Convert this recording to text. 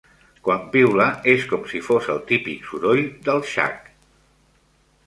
Quan piula, és com si fos el típic soroll del "chack".